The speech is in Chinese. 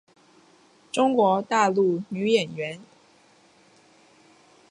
中国大陆女演员。